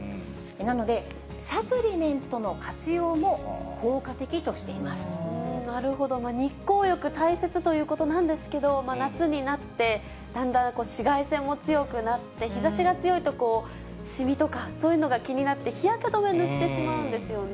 なので、サプリメントの活用も効なるほど、日光浴大切ということなんですけれども、夏になって、だんだん紫外線も強くなって、日ざしが強いとしみとか、そういうのが気になって、日焼け止め塗ってしまうんですよね。